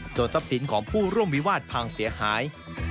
ทรัพย์สินของผู้ร่วมวิวาสพังเสียหาย